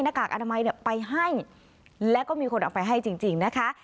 กากอนามัยเนี่ยไปให้แล้วก็มีคนเอาไปให้จริงนะคะ